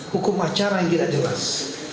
hukum acara yang tidak jelas